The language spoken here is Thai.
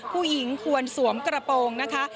ผู้หญิงควรสวมกระโปรงนะคะ